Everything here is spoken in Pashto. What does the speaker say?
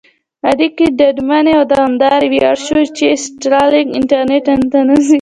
اړیکې ډاډمنې او دوامدارې وي اړ شو، چې سټارلېنک انټرنېټ انتن رانیسي.